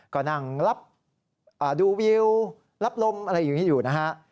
ก็นั่งรับดูวิวรับลมอะไรอย่างนี้อยู่นะฮะ